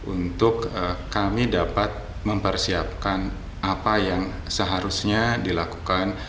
untuk kami dapat mempersiapkan apa yang seharusnya dilakukan